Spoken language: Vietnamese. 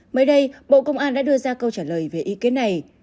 mới đây bộ công an đã đưa ra câu trả lời về ý kiến này